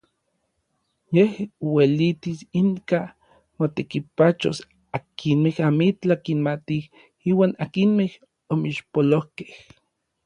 Yej uelitis inka motekipachos akinmej amitlaj kimatij iuan akinmej omixpolojkej.